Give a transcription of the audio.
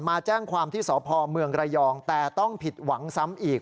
มาแจ้งความที่สพเมืองระยองแต่ต้องผิดหวังซ้ำอีก